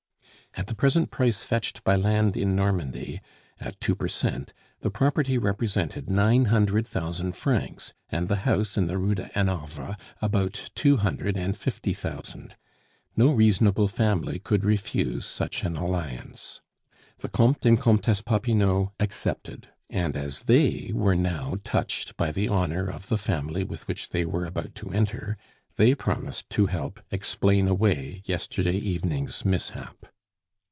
At the present price fetched by land in Normandy, at two per cent, the property represented nine hundred thousand francs, and the house in the Rue de Hanovre about two hundred and fifty thousand. No reasonable family could refuse such an alliance. The Comte and Comtesse Popinot accepted; and as they were now touched by the honor of the family which they were about to enter, they promised to help explain away yesterday evening's mishap.